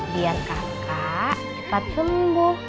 biar kakak cepat sembuh